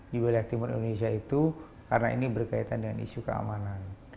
di wilayah timur indonesia itu karena ini berkaitan dengan isu keamanan